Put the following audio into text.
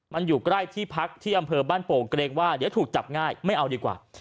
มันอยู่ใกล้ที่พักที่อำเภอบ้านโป่งเกรงว่าเดี๋ยวถูกจับง่ายไม่เอาดีกว่า